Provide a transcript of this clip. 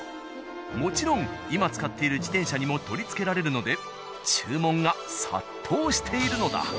もちろん今使っている自転車にも取り付けられるので注文が殺到しているのだ。